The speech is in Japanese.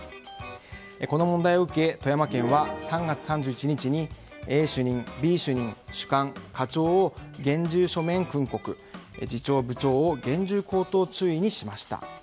この問題を受け、富山県は３月３１日にＡ主任、Ｂ主任主幹、課長を厳重書面訓告次長、部長を厳重口頭注意にしました。